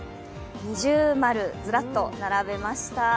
二重丸、ずらっと並べました。